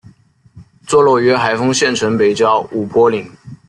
坐落于海丰县城北郊五坡岭。